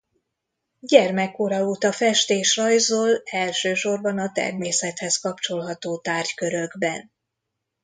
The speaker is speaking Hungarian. Gyermekkora óta fest és rajzol elsősorban a természethez kapcsolható tárgykörökben.